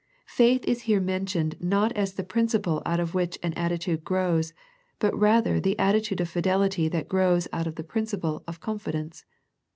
Faith is here mentioned not as the principle out of which an attitude grows, but rather the atti tude of fidelity that grows out of the principle of confidence.